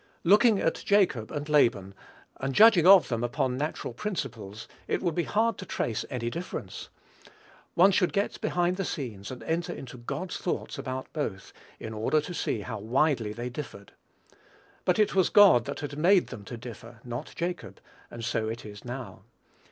Looking at Jacob and Laban, and judging of them upon natural principles, it would be hard to trace any difference. One should get behind the scenes, and enter into God's thoughts about both, in order to see how widely they differed. But it was God that had made them to differ, not Jacob; and so it is now.